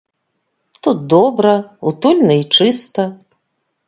Тут добра, утульна і чыста.